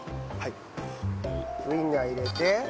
ウインナー入れて。